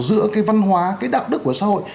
giữa cái văn hóa cái đạo đức của xã hội